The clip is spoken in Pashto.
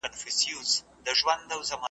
یو له تمي ویړه خوله وي درته خاندي .